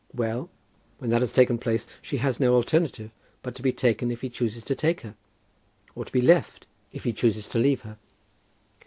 Well; when that has taken place, she has no alternative but to be taken if he chooses to take her; or to be left, if he chooses to leave her."